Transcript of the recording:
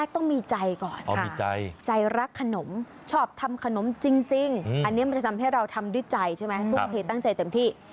ต้องมีใจก่อนใจรักขนมชอบทำขนมจริงอันนี้มันจะทำให้เราทำด้วยใจใช่ไหมทุ่มเทตั้งใจเต็มที่